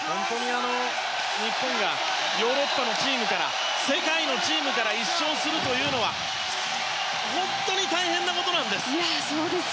日本がヨーロッパのチームから世界のチームから１勝するのは本当に大変なことなんです。